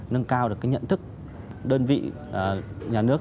nâng cao được cái nhận thức đơn vị nhà nước